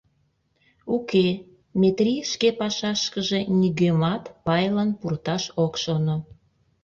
Уке, Метрий шке пашашкыже нигӧмат пайлан пурташ ок шоно.